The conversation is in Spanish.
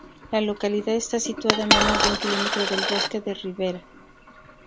La localidad está situada a menos de un kilómetro del bosque de ribera.